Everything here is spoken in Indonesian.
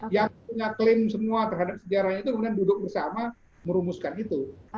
yang punya klaim semua terhadap sejarahnya itu kemudian duduk bersama merumuskan itu